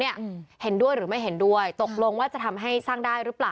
เห็นด้วยหรือไม่เห็นด้วยตกลงว่าจะทำให้สร้างได้หรือเปล่า